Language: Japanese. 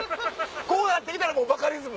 こうなって来たらバカリズム